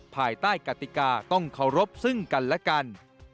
ภายใต้กติกาต้องเคารพซึ่งกันและกัน